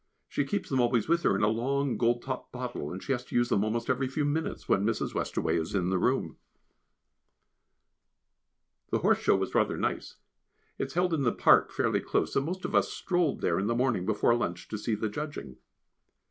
She keeps them always with her in a long gold topped bottle, and she has to use them almost every few minutes when Mrs. Westaway is in the room. The Horse Show was rather nice; it is held in the park fairly close, and most of us strolled there in the morning before lunch to see the judging.